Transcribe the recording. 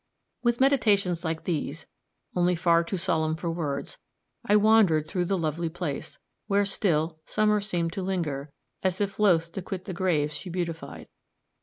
With meditations like these, only far too solemn for words, I wandered through the lovely place, where, still, summer seemed to linger, as if loth to quit the graves she beautified.